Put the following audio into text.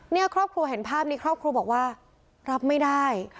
เนี่ยครอบครัวเห็นภาพนี้ครอบครัวบอกว่ารับไม่ได้